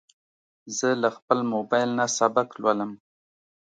زه له خپل موبایل نه سبق لولم.